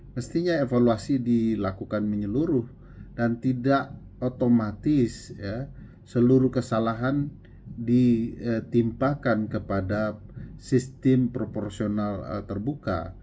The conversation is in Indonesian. mestinya evaluasi dilakukan menyeluruh dan tidak otomatis seluruh kesalahan ditimpakan kepada sistem proporsional terbuka